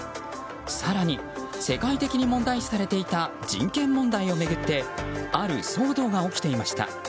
更に世界的に問題視されていた人権問題を巡ってある騒動が起きていました。